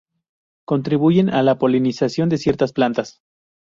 Contribuyen a la polinización de ciertas plantas.